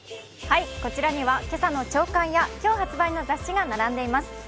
こちらには今朝の朝刊や今朝発売の雑誌が並んでいます。